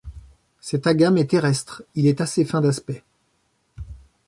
Cet agame est terrestre, il est assez fin d'aspect.